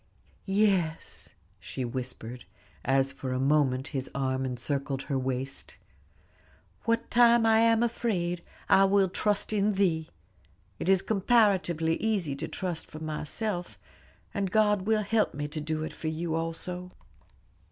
"Yes," she whispered, as for a moment his arm encircled her waist, "'What time I am afraid, I will trust in Thee.' It is comparatively easy to trust for myself, and God will help me to do it for you also."